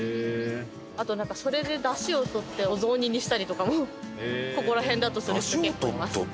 あとなんかそれで出汁をとってお雑煮にしたりとかもここら辺だとする人結構います。